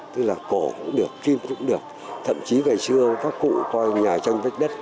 tức là cổ cũng được kim cũng được thậm chí ngày xưa các cụ coi nhà tranh vách đất